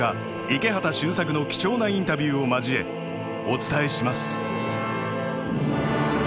池端俊策の貴重なインタビューを交えお伝えします。